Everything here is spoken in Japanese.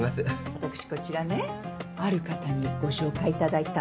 私こちらねある方にご紹介いただいたの。